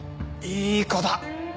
いい子だ！